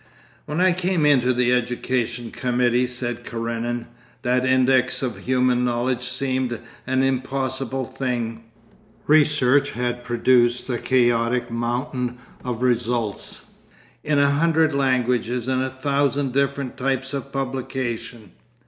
'When I came into the education committee,' said Karenin, 'that index of human knowledge seemed an impossible thing. Research had produced a chaotic mountain of results, in a hundred languages and a thousand different types of publication....